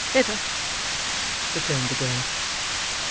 "Never!" returned the girl.